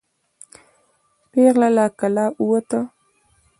پیغله له کلا ووته.